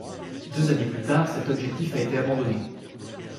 Deux années plus tard cet objectif a été abandonné.